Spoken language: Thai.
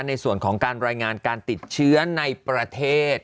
ในส่วนของการรายงานการติดเชื้อในประเทศ